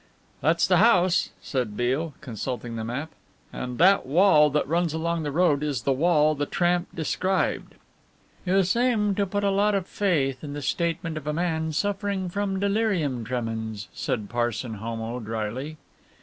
"That's the house," said Beale, consulting the map, "and that wall that runs along the road is the wall the tramp described." "You seem to put a lot of faith in the statement of a man suffering from delirium tremens," said Parson Homo dryly.